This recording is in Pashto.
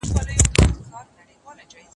کارونه وکړه!؟